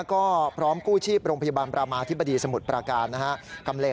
ก็พร้อมกู้ชีพโรงพยาบาลประมาธิบดีสมุทรปราการนะฮะ